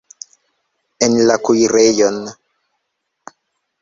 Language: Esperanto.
En la kuirejon!